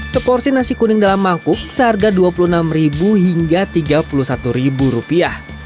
seporsi nasi kuning dalam mangkuk seharga dua puluh enam hingga tiga puluh satu rupiah